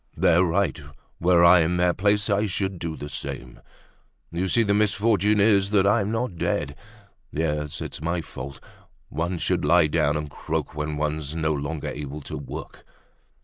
They're right; were I in their place I should do the same. You see, the misfortune is that I'm not dead. Yes, it's my fault. One should lie down and croak when one's no longer able to work."